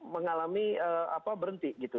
mengalami berhenti gitu